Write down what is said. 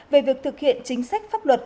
về việc thực hiện chính sách pháp luật